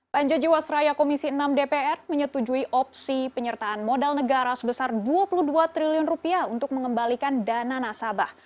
panja jiwasraya komisi enam dpr menyetujui opsi penyertaan modal negara sebesar dua puluh dua triliun rupiah untuk mengembalikan dana nasabah